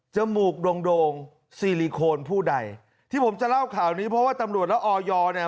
มูกโด่งโดงซีลิโคนผู้ใดที่ผมจะเล่าข่าวนี้เพราะว่าตำรวจและออยเนี่ย